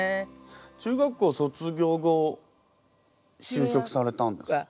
中学校卒業後就職されたんですか？